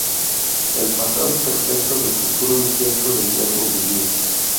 El pasado perfecto del futuro incierto del verbo vivir